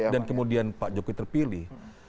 dan kemudian pak jokowi terpilih